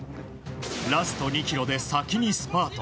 ラスト２ｋｍで先にスパート。